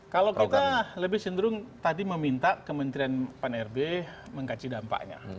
kalau kita lebih cenderung tadi meminta kementerian pan rb mengkaji dampaknya